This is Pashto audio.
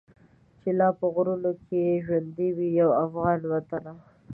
چي لا په غرونو کي ژوندی وي یو افغان وطنه.